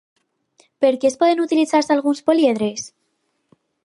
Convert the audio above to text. Per què es poden utilitzar alguns políedres?